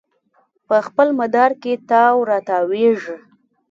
په خپل مدار کې تاو راتاویږي